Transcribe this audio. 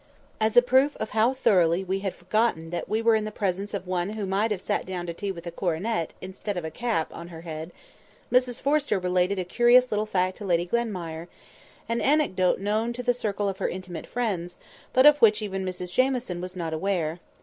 As a proof of how thoroughly we had forgotten that we were in the presence of one who might have sat down to tea with a coronet, instead of a cap, on her head, Mrs Forrester related a curious little fact to Lady Glenmire—an anecdote known to the circle of her intimate friends, but of which even Mrs Jamieson was not aware.